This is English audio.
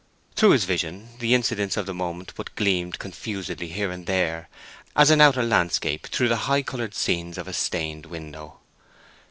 Through this vision the incidents of the moment but gleamed confusedly here and there, as an outer landscape through the high colored scenes of a stained window.